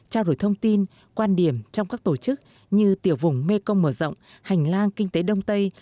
trao đổi thông tin quan điểm trong các tổ chức như tiểu vùng mekong mở rộng hành lang kinh tế đông tây